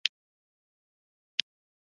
آزاد تجارت مهم دی ځکه چې معلومات خپروي.